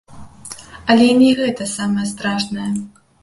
Але і не гэта самае страшнае!